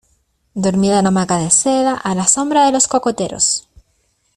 dormida en hamaca de seda, a la sombra de los cocoteros!